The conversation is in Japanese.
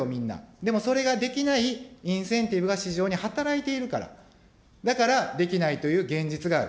でもそれができないインセンティブが市場に働いているから、だからできないという現実がある。